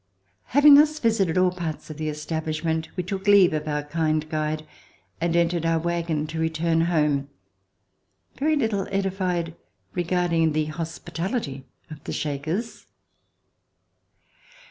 Having thus visited all parts of the establishment, we took leave of our kind guide and entered our wagon to return home, very little edified regarding the hospitality of the Shakers.